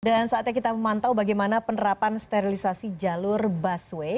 dan saatnya kita memantau bagaimana penerapan sterilisasi jalur busway